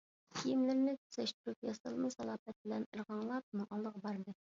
كىيىملىرىنى تۈزەشتۈرۈپ، ياسالما سالاپەت بىلەن ئىرغاڭلاپ ئۇنىڭ ئالدىغا باردى.